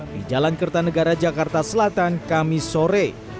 di jalan kertanegara jakarta selatan kamisore